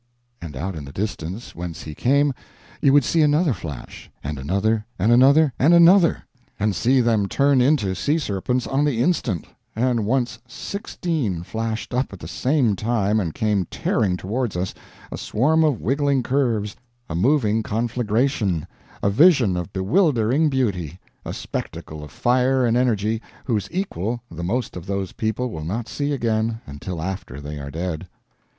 And out in the distance whence he came you would see another flash; and another and another and another, and see them turn into sea serpents on the instant; and once sixteen flashed up at the same time and came tearing towards us, a swarm of wiggling curves, a moving conflagration, a vision of bewildering beauty, a spectacle of fire and energy whose equal the most of those people will not see again until after they are dead.